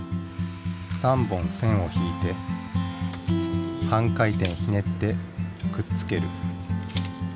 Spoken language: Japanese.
３本線を引いて半回転ひねってくっつける。